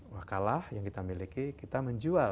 makalah yang kita miliki kita menjual